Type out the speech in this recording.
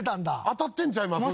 当たってんちゃいます？